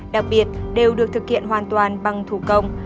đặc biệt đều được thực hiện hoàn toàn bằng thủ công